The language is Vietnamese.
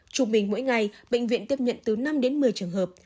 trung bình mỗi ngày bệnh viện tiếp nhận từ năm đến một mươi trường hợp